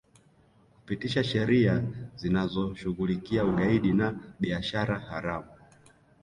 Kupitisha sheria zinazoshughulikia ugaidi na biashara haramu